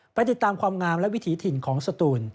ไปติดตามความงามและวิถีถิ่นของสตูน